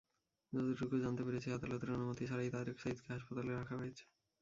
যতটুকু জানতে পেরেছি, আদালতের অনুমতি ছাড়াই তারেক সাঈদকে হাসপাতালে রাখা হয়েছে।